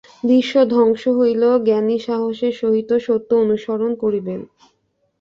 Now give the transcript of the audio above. বিশ্ব ধ্বংস হইলেও জ্ঞানী সাহসের সহিত সত্য অনুসরণ করিবেন।